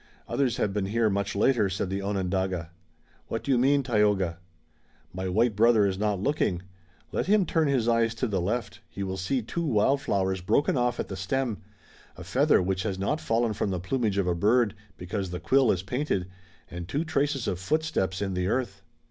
"Others have been here much later," said the Onondaga. "What do you mean, Tayoga?" "My white brother is not looking. Let him turn his eyes to the left. He will see two wild flowers broken off at the stem, a feather which has not fallen from the plumage of a bird, because the quill is painted, and two traces of footsteps in the earth."